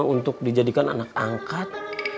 untuk dijadikan anak angkat